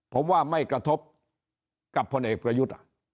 ผมว่าไม่กระทบกับพลเอกประยุทธ์